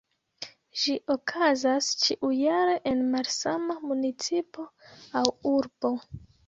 Ĝi okazas ĉiujare en malsama municipo aŭ urbo.